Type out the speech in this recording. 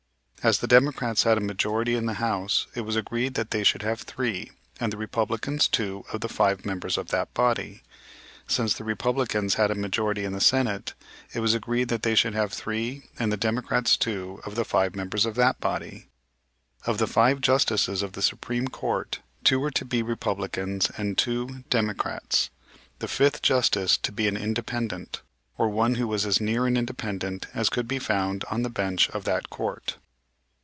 As the Democrats had a majority in the House, it was agreed that they should have three, and the Republicans two of the five members of that body. Since the Republicans had a majority in the Senate it was agreed that they should have three, and the Democrats two of the five members of that body. Of the five justices of the Supreme Court, two were to be Republicans and two, Democrats; the fifth Justice to be an independent, or one who was as near an independent as could be found on the bench of that Court.